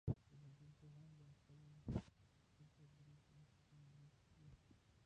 د لرغونپوهانو د اټکل له مخې سل تر درې سوه کسان مېشت وو